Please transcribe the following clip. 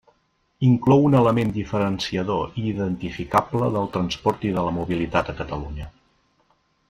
Inclou un element diferenciador i identificable del transport i de la mobilitat a Catalunya.